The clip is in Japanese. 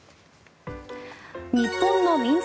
日本の民俗